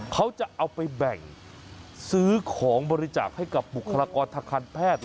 เขาจะเอาไปแบ่งซื้อของบริจาคให้กับบุคลากรทางการแพทย์